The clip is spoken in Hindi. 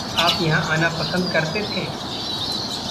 आप यहाँ आना पसंद करते थे।